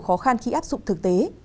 khó khăn khi áp dụng thực tế